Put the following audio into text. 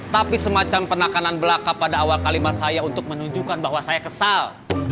tapi semacam penakanan belaka pada awal kalimat saya untuk menunjukkan bahwa saya kesal